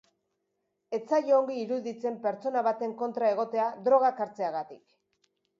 Ez zaio ongi iruditzen pertsona baten kontra egotea drogak hartzeagatik.